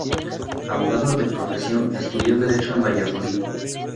Abogado de profesión, estudió derecho en Valladolid.